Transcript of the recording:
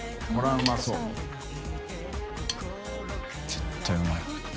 絶対うまい。